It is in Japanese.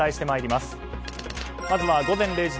まずは午前０時。